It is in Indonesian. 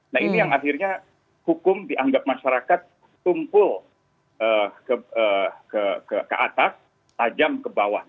nah ini yang akhirnya hukum dianggap masyarakat tumpul ke atas tajam ke bawah